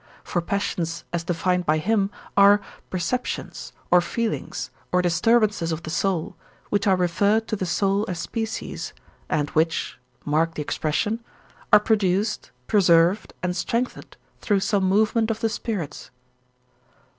For passions as defined by him are "perceptions, or feelings, or disturbances of the soul, which are referred to the soul as species, and which (mark the expression) are produced, preserved, and strengthened through some movement of the spirits."